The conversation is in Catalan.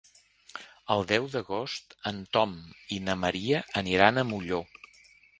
El deu d'agost en Tom i na Maria aniran a Molló.